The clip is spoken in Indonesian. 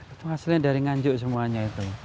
itu hasilnya dari nganjuk semuanya itu